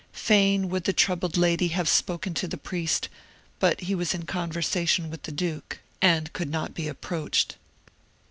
Fain would the troubled lady have spoken to the priest, but he was in conversation with the Duke, and could not be approached.